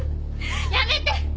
やめて。